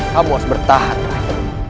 kamu harus bertahan rai